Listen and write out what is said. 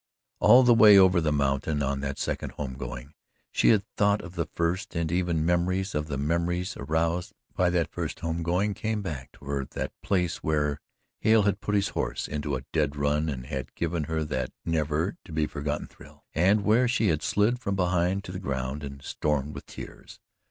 All the way over the mountain, on that second home going, she had thought of the first, and even memories of the memories aroused by that first home going came back to her the place where Hale had put his horse into a dead run and had given her that never to be forgotten thrill, and where she had slid from behind to the ground and stormed with tears.